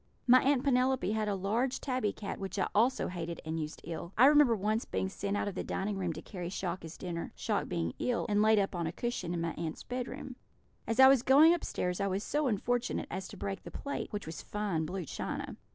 My Aunt Penelope had a large tabby cat, which I also hated and used ill. I remember once being sent out of the dining room to carry Shock his dinner, Shock being ill, and laid on a cushion in my aunts' bedroom. As I was going upstairs I was so unfortunate as to break the plate, which was fine blue china.